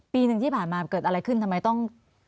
ปีหนึ่งที่ผ่านมาเกิดอะไรขึ้นทำไมต้อง